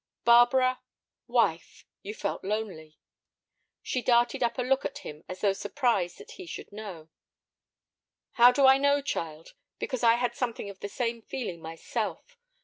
"Barbara—wife, you felt lonely." She darted up a look at him as though surprised that he should know. "How do I know, child? Because I had something of the same feeling myself.